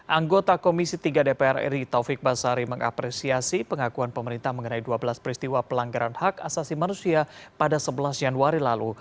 anggota komisi tiga dpr ri taufik basari mengapresiasi pengakuan pemerintah mengenai dua belas peristiwa pelanggaran hak asasi manusia pada sebelas januari lalu